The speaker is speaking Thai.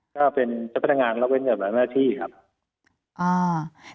ก็เป็นเจ้าพนักงานรับเว้นกับหลายหน้าที่ครับอ่า